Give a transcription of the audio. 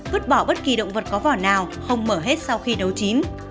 vứt bỏ bất kỳ động vật có vỏ nào không mở hết sau khi nấu chín